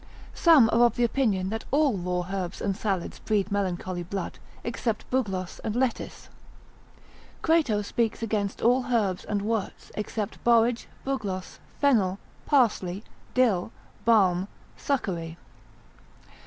Some are of opinion that all raw herbs and salads breed melancholy blood, except bugloss and lettuce. Crato, consil. 21. lib. 2, speaks against all herbs and worts, except borage, bugloss, fennel, parsley, dill, balm, succory.